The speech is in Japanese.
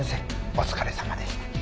お疲れさまでした。